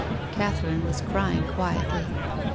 Catherine was crying quietly.